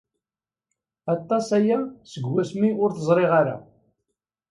Aṭas aya seg wasmi ur t-ẓriɣ ara.